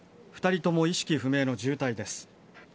２人とも意識不明の重体です。